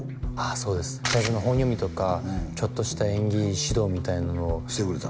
そうです最初の本読みとかちょっとした演技指導みたいなのをしてくれた？